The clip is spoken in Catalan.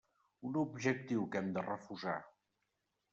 Un objectiu que hem de refusar.